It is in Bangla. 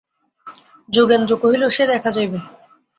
যোগেন্দ্র কহিল, সে দেখা যাইবে।